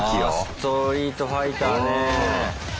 「ストリートファイター」ね。